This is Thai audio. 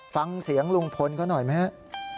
ฟังเสียงลุงพลก็หน่อยไหมฮะ